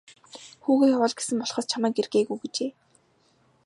Хүүгээ явуул гэсэн болохоос чамайг ир гээгүй гэжээ.